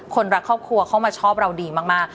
คนรักครอบครัวเข้ามาชอบเราดีมาก